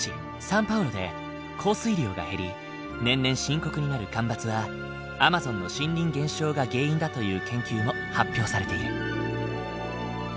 サンパウロで降水量が減り年々深刻になる干ばつはアマゾンの森林減少が原因だという研究も発表されている。